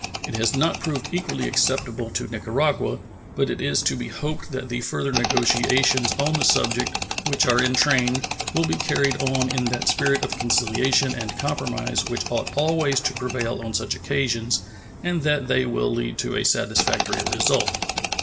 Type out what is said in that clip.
It has not proved equally acceptable to Nicaragua, but it is to be hoped that the further negotiations on the subject which are in train will be carried on in that spirit of conciliation and compromise which ought always to prevail on such occasions, and that they will lead to a satisfactory result.